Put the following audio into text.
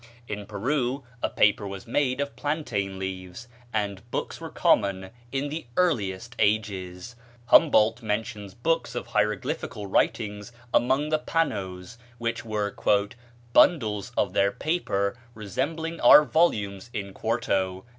In Peru a paper was made of plantain leaves, and books were common in the earlier ages. Humboldt mentions books of hieroglyphical writings among the Panoes, which were "bundles of their paper resembling our volumes in quarto."